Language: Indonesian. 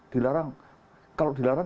dilarang kalau dilarang